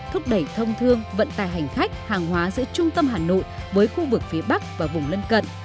thúc đẩy thông thương vận tài hành khách hàng hóa giữa trung tâm hà nội với khu vực phía bắc và vùng lân cận